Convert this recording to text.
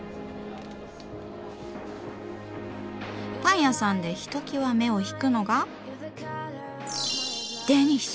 パン屋さんでひときわ目を引くのがデニッシュ！